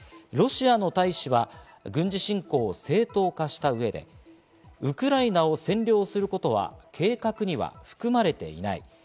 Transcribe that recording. ロシアの大使は軍事侵攻を正当化した上でウクライナを占領することは計画には含まれていない。